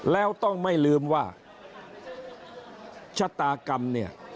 แล้วต้องไม่ลืมว่าชะตากรรมเนี่ย